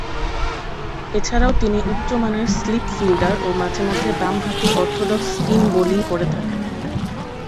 এছাড়াও, তিনি উচ্চমানের স্লিপ ফিল্ডার ও মাঝে-মধ্যে বামহাতি অর্থোডক্স স্পিন বোলিং করে থাকেন।